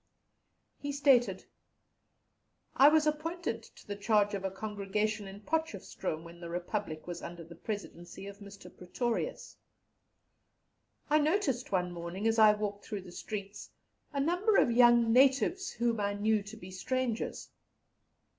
He stated: "I was appointed to the charge of a congregation in Potchefstroom when the Republic was under the Presidency of Mr. Pretorius. I noticed one morning, as I walked through the streets, a number of young natives whom I knew to be strangers.